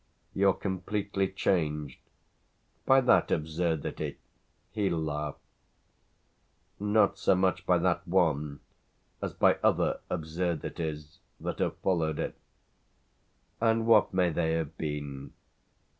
"You're completely changed." "By that absurdity?" he laughed. "Not so much by that one as by other absurdities that have followed it." "And what may they have been?"